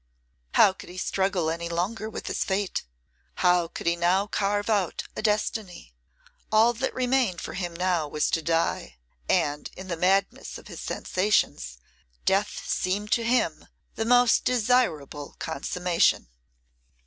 How could he struggle any longer with his fate? How could he now carve out a destiny? All that remained for him now was to die; and, in the madness of his sensations, death seemed to him the most desirable consummation.